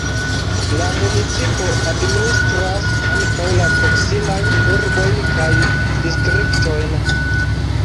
La municipo administras ankaŭ la proksimajn urbojn kaj distriktojn.